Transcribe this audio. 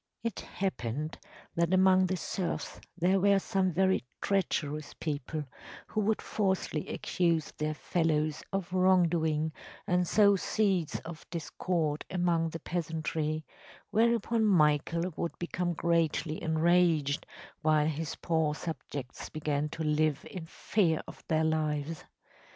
It happened that among the serfs there were some very treacherous people who would falsely accuse their fellows of wrong doing and sow seeds of discord among the peasantry, whereupon Michael would become greatly enraged, while his poor subjects began to live in fear of their lives.